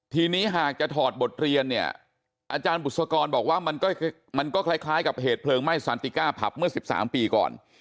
ทีนี้หากจะถอดบทเรียนเนี่ยอาจารย์บุษกรบอกว่ามันก็คล้ายกับเหตุเพลิงไหม้สันติก้าผับเมื่อ๑๓ปีก่อน